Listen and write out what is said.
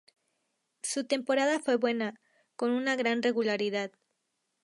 Su temporada fue buena, con una gran regularidad.